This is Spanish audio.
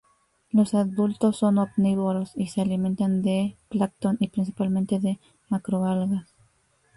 Los adultos son omnívoros y se alimentan de plancton y principalmente de macroalgas.